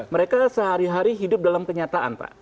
mereka sehari hari hidup dalam kenyataan pak